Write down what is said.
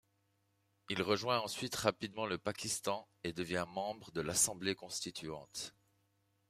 Il rejoint ensuite rapidement le Pakistan et devient membre de l'Assemblée constituante.